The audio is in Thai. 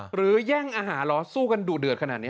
แย่งอาหารเหรอสู้กันดุเดือดขนาดนี้